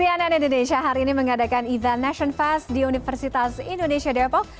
cnn indonesia hari ini mengadakan event nation fest di universitas indonesia depok